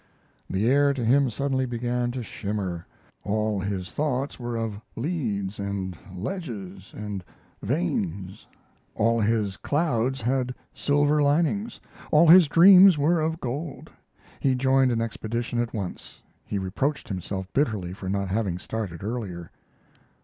The air to him suddenly began to shimmer; all his thoughts were of "leads" and "ledges" and "veins"; all his clouds had silver linings; all his dreams were of gold. He joined an expedition at once; he reproached himself bitterly for not having started earlier.